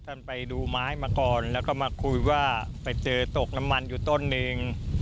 ท่านไปดูไม้มาก่อนแล้วก็มาคุยว่าไปเจอตกน้ำมันอยู่ต้นหนึ่ง